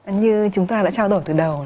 như chúng ta đã trao đổi từ đầu